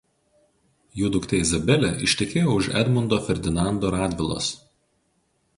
Jų duktė Izabelė ištekėjo už Edmundo Ferdinando Radvilos.